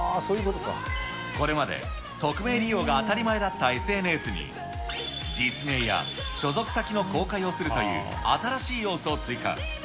これまで、匿名利用が当たり前だったＳＮＳに、実名や所属先の公開をするという、新しい要素を追加。